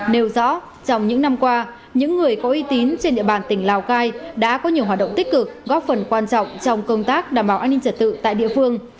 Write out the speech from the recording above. nêu rõ trong những năm qua những người có uy tín trên địa bàn tỉnh lào cai đã có nhiều hoạt động tích cực góp phần quan trọng trong công tác đảm bảo an ninh trật tự tại địa phương